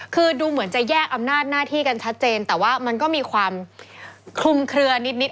คือดูเหมือนจะแยกอำนาจหน้าที่กันชัดเจนแต่ว่ามันก็มีความคลุมเคลือนิด